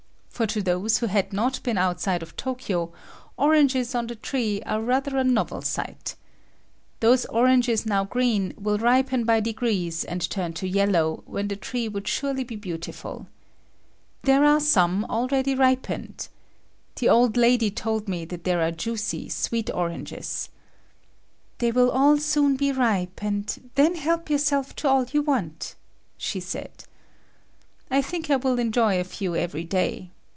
For to those who had not been outside of Tokyo, oranges on the tree are rather a novel sight. Those oranges now green will ripen by degrees and turn to yellow, when the tree would surely be beautiful. There are some already ripened. The old lady told me that they are juicy, sweet oranges. "They will all soon be ripe, and then help yourself to all you want," she said. I think I will enjoy a few every day.